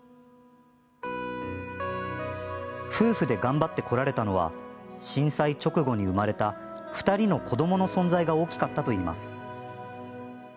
夫婦で頑張ってこられたのは震災直後に生まれた２人の子どもの存在が大きかったといいます。